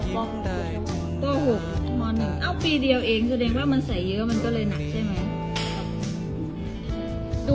เบอร์หุด